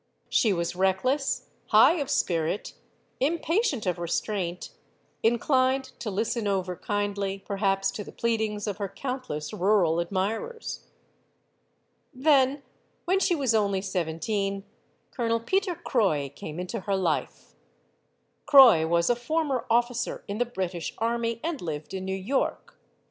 She was reckless, high of spirit, impatient of restraint; inclined to listen over kindly, perhaps, to the pleadings of her countless rural admirers. Then, when she was only seventeen, Colonel Peter Croix came into her life. Croix was a former officer in the British army and lived in New York.